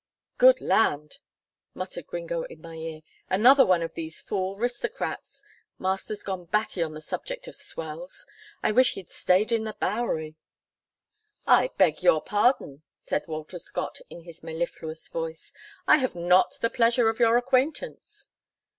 "Good land!" muttered Gringo in my ear, "another one of these fool 'ristocrats. Mister's gone batty on the subject of swells. I wish he'd stayed on the Bowery." "I beg your pardon," said Walter Scott in his mellifluous voice. "I have not the pleasure of your acquaintance."